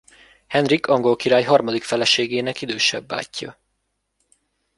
Henrik angol király harmadik feleségének idősebb bátyja.